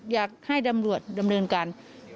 อยากให้ตำรวจดำเนินการ